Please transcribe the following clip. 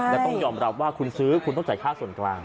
และต้องยอมรับว่าคุณซื้อคุณต้องจ่ายค่าส่วนกลาง